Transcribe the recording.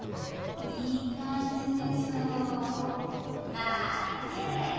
まあねえ。